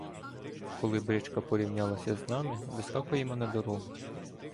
Коли бричка порівнялася з нами, вискакуємо на дорогу.